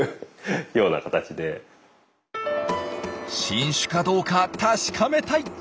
新種かどうか確かめたい！